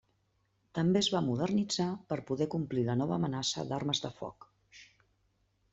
També es va modernitzar per poder complir la nova amenaça d'armes de foc.